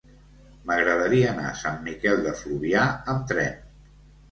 M'agradaria anar a Sant Miquel de Fluvià amb tren.